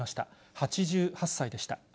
８８歳でした。